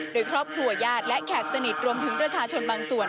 โดยครอบครัวญาติและแขกสนิทรวมถึงประชาชนบางส่วน